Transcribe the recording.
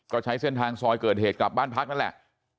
ก็ใช้เส้นทางซอยเกิดเหตุกลับบ้านพักนั่นแหละ